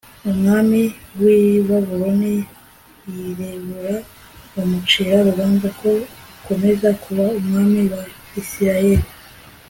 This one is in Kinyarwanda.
umwami w i Babuloni i Ribula bamucira urubanza ko ukomeza kuba umwami wa Isirayeli